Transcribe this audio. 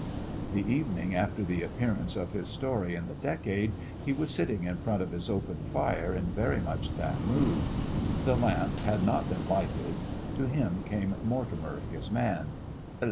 The evening after the appearance of his story in the Decade, he was sitting in front of his open fire in very much that mood. The lamps had not been lighted. To him came Mortimer, his man.